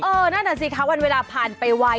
เออนั่นแหละสิคะวันเวลาผ่านไปไว้